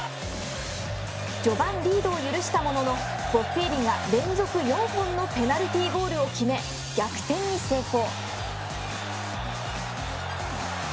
序盤リードを許したもののボッフェーリが連続４本のペナルティゴールを決め逆転に成功。